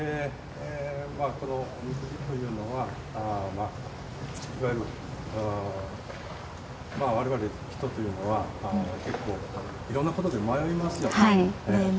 このおみくじというのはいわゆる、我々、人というのは結構いろんなことで迷いますよね。